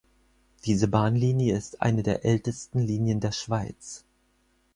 Diese Bahnlinie ist eine der ältesten Linien der Schweiz.